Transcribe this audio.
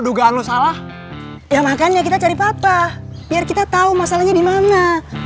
dugaan lo salah ya makannya kita cari papa biar kita tahu masalahnya di mana